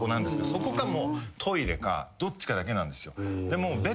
そこかトイレかどっちかだけなんです。